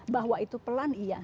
bahwa itu pelan iya